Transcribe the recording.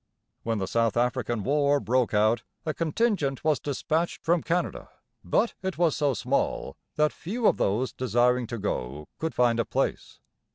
When the South African war broke out a contingent was dispatched from Canada, but it was so small that few of those desiring to go could find a place.